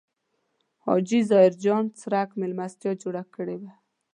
حاجي ظاهر جان څرک مېلمستیا جوړه کړې وه.